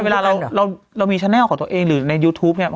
เวลาเรามีแชนัลของตัวเองหรือในยูทูปเนี่ย